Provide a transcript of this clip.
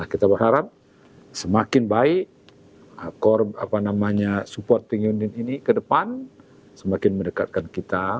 kita berharap semakin baik supporting unit ini ke depan semakin mendekatkan kita